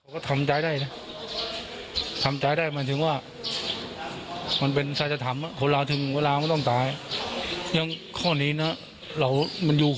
ก็แค่ได้แค่รับฝังเราก็พูดไม่ได้นะเราไม่รู้